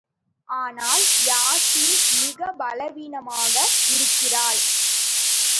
ஆனால், யாஸ்மி மிகப் பலவீனமாக இருக்கிறாள்.